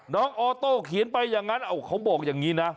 ออโต้เขียนไปอย่างนั้นเขาบอกอย่างนี้นะ